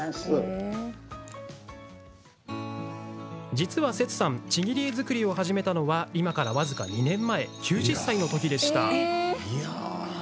実は、セツさんちぎり絵作りを始めたのは今から僅か２年前９０歳のときでした。